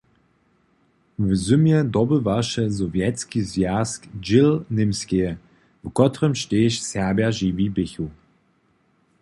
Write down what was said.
W zymje dobywaše Sowjetski zwjazk dźěl Němskeje, w kotrymž tež Serbja žiwi běchu.